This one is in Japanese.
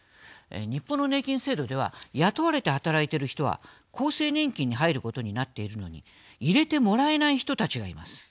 日本の年金制度では雇われて働いている人は厚生年金に入ることになっているのに入れてもらえない人たちがいます。